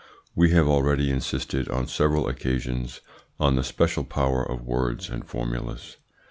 We have already insisted, on several occasions, on the special power of words and formulas.